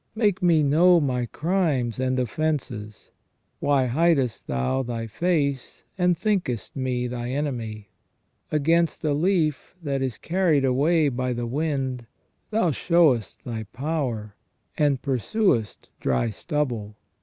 Make me know my crimes and offences. Why hidest Thou Thy face, and thinkest me Thy enemy? Against a leaf that is carried away by the wind. Thou showest Thy power ; and pursuest dry stubble.